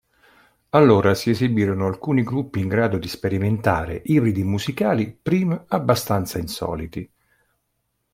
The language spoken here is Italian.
Allora si esibirono alcuni gruppi in grado di sperimentare ibridi musicali prima abbastanza insoliti.